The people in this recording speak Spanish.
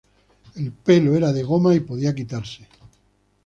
El pelo era de goma y podía quitarse.